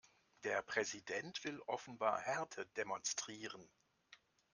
Der Präsident will offenbar Härte demonstrieren.